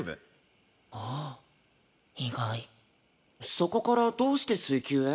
そこからどうして水球へ？